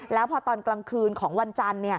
แล้วพอตอนกลางคืนของวันจันทร์